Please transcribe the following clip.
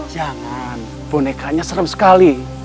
jangan bonekanya seram sekali